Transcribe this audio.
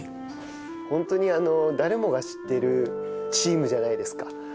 ホントに誰もが知ってるチームじゃないですか